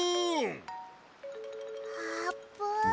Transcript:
あーぷん？